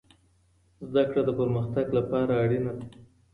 زده کړه د پرمختګ لپاره اړینه ده.